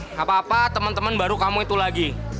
gak apa apa temen temen baru kamu itu lagi